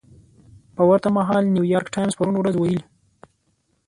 په ورته مهال نیویارک ټایمز پرون ورځ ویلي